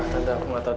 tante aku gak tahu